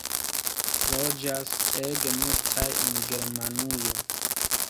Loĝas ege multaj en Germanujo.